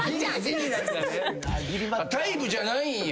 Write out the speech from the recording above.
タイプじゃないんや。